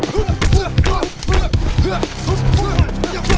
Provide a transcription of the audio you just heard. gimana pelajaran kau hari ini